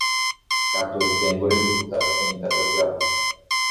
Katueténgo rejuhúta peteĩ tape pyahu